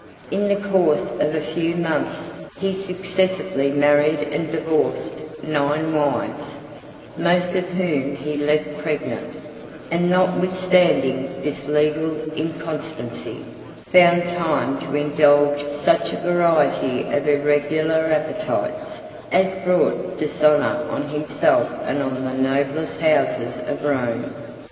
In the course of a few months, he successively married and divorced nine wives, most of whom he left pregnant; and notwithstanding this legal inconstancy, found time to indulge such a variety of irregular appetites, as brought dishonor on himself and on the noblest houses of Rome.